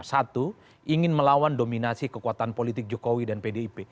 satu ingin melawan dominasi kekuatan politik jokowi dan pdip